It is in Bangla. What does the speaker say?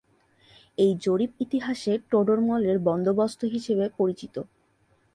এই জরিপ ইতিহাসে টোডরমলের বন্দোবস্ত হিসেবে পরিচিত।